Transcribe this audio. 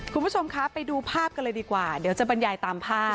คุณผู้ชมคะไปดูภาพกันเลยดีกว่าเดี๋ยวจะบรรยายตามภาพ